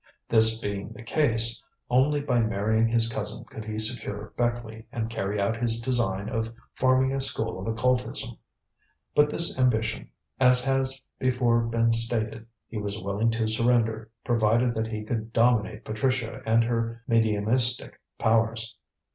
This being the case, only by marrying his cousin could he secure Beckleigh and carry out his design of forming a school of Occultism. But this ambition as has before been stated he was willing to surrender, provided that he could dominate Patricia and her mediumistic powers.